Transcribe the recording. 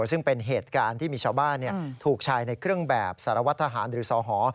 ซึ่งเป็นเหตุการณ์ที่มีชาวบ้านถูกชายในเครื่องแบบสารวัตรทหารหรือสห